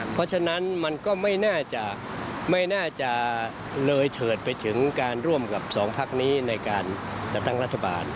เพราะฉะนั้นมันก็ไม่น่าจะไม่น่าจะเลยเถิดไปถึงการร่วมกับสองพักนี้ในการจัดตั้งรัฐบาล